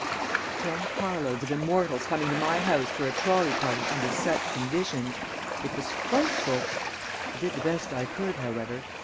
Ten car loads of immortals coming to my house for a trolley party under such conditions! It was frightful! I did the best I could, however.